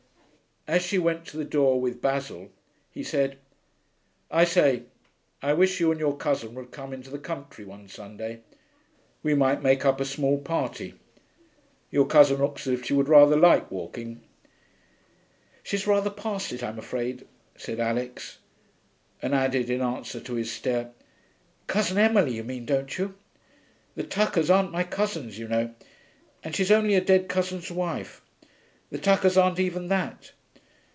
As she went to the door with Basil, he said, 'I say, I wish you and your cousin would come into the country one Sunday. We might make up a small party. Your cousin looks as if she would rather like walking.' 'She's rather past it, I'm afraid,' said Alix, and added, in answer to his stare, 'Cousin Emily, you mean, don't you? The Tuckers aren't my cousins, you know. And she's only a dead cousin's wife. The Tuckers aren't even that.'